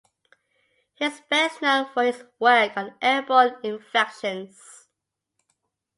He is best known for his work on airborne infections.